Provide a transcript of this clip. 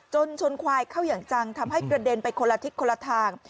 ชนควายเข้าอย่างจังทำให้กระเด็นไปคนละทิศคนละทาง